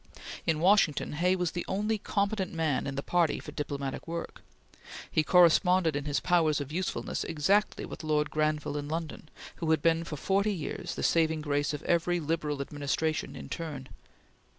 In Washington Hay was the only competent man in the party for diplomatic work. He corresponded in his powers of usefulness exactly with Lord Granville in London, who had been for forty years the saving grace of every Liberal administration in turn.